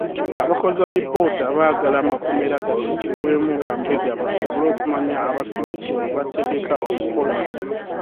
Abakoze alipoota baagala amakomera gateekebwemu bambega basobole okumanya abasibe kye bategeka okukola.